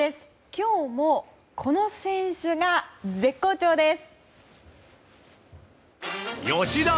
今日も、この選手が絶好調です！